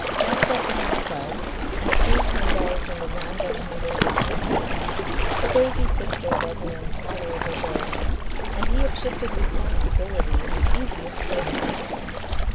Wrapped up in himself, and free to indulge in the wander hunger that gripped him, the baby sister was an intolerable burden, and he had shifted responsibility in the easiest way possible.